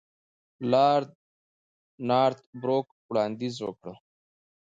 لارډ نارت بروک وړاندیز وکړ.